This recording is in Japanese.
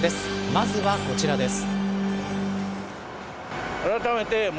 まずはこちらです。